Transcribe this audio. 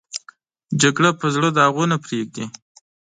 جګړه په زړه داغونه پرېږدي